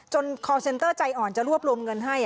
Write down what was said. คอร์เซ็นเตอร์ใจอ่อนจะรวบรวมเงินให้